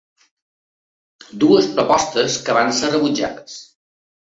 Dues propostes que van ser rebutjades.